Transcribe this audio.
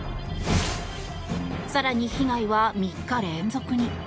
更に被害は３日連続に。